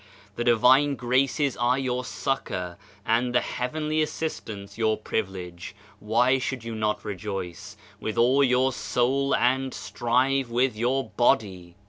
The divine Graces are your succor and the heavenly Assistance your privilege; why should you not rejoice with all your soul and strive with your body?